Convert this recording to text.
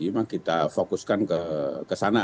memang kita fokuskan ke sana